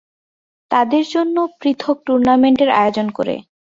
তাদের জন্য পৃথক টুর্নামেন্টের আয়োজন করে।